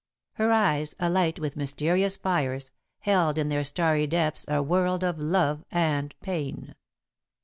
Her eyes, alight with mysterious fires, held in their starry depths a world of love and pain.